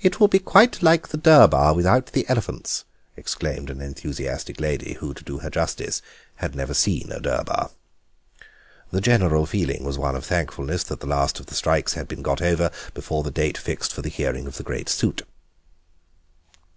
"It will be quite like the Durbar without the elephants," exclaimed an enthusiastic lady who, to do her justice, had never seen a Durbar. The general feeling was one of thankfulness that the last of the strikes had been got over before the date fixed for the hearing of the great suit.